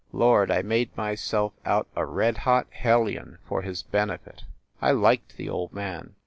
Lord, I made myself out a red hot hellion for his benefit! I liked the old man.